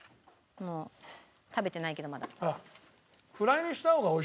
食べてないけどまだ。